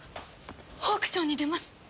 オークションに出ます。